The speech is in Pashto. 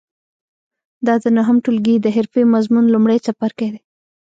دا د نهم ټولګي د حرفې مضمون لومړی څپرکی دی.